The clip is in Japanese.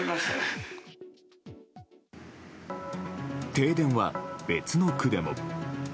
停電は別の区でも。